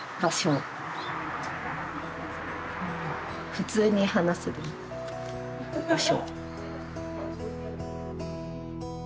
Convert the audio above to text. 普通に話せる場所。